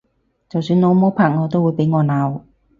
就算老母拍我都會俾我鬧！